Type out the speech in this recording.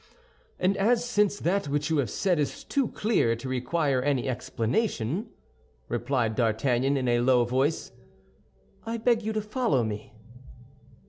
"And as since that which you have said is too clear to require any explanation," replied D'Artagnan, in a low voice, "I beg you to follow me."